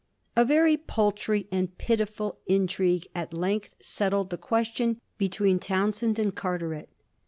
A very paltry and pitiful intrigue at length settled the question between Townshend and Carteret.